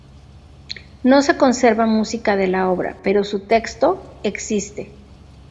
No se conserva música de la obra, pero su texto existe.